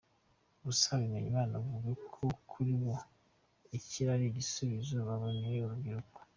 Gusa Bimenyimana avuga ko kuri bo iki ari igisubizo baboneye urubyiruko.